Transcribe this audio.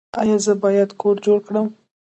ایا زه باید کور جوړ کړم؟